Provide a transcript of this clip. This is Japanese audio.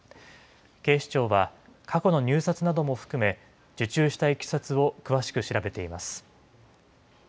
警視庁は、過去の入札なども含め、受注したいきさつを詳しく調べています。